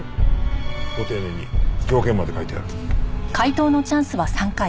ご丁寧に条件まで書いてある。